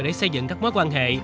để xây dựng các mối quan hệ